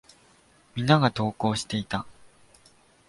皆が登校していた。